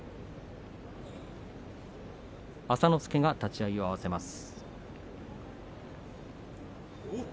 朝之助が立ち合いを合わせます。